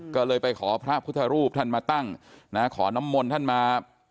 ก็เลยไปขอพระพุทธรูปท่านมาตั้งนะขอน้ำมนต์ท่านมา